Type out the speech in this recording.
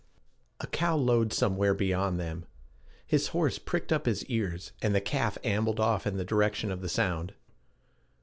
A cow lowed somewhere beyond them; his horse pricked up his ears, and the calf ambled off in the direction of the sound.